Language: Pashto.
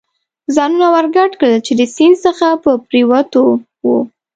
ځانونه ور ګډ کړل، چې له سیند څخه په پورېوتو و.